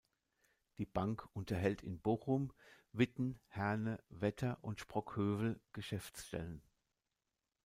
Die Bank unterhält in Bochum, Witten, Herne, Wetter und Sprockhövel Geschäftsstellen.